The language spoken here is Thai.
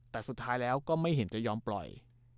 แต่สุดท้ายแล้วก็ไม่เห็นจะยอมปล่อย